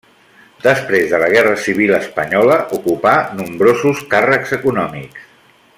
Després de la guerra civil espanyola ocupà nombrosos càrrecs econòmics.